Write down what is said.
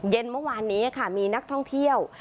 เย็นเมื่อวานนี้ค่ะมีนักท่องเที่ยว